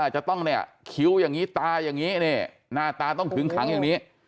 จะต้องเนี่ยคิ้วอย่างนี้ตาอย่างนี้เนี่ยหน้าตาต้องขึงขังอย่างนี้